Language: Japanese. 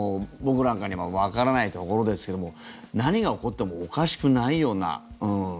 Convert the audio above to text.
僕なんかにはわからないところですけども何が起こってもおかしくないような。